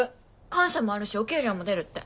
官舎もあるしお給料も出るって。